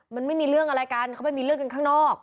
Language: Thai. มันไม่มีเรื่องอะไรกันเขาไปมีเรื่องกันข้างนอก